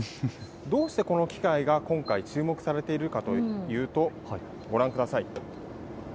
どうしてこの機械が今回、注目されているかというとご覧ください。